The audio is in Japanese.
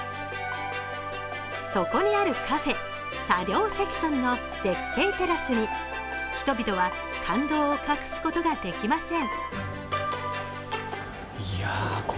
そこにあるカフェ、茶寮石尊の絶景テラスに人々は感動を隠すことができません。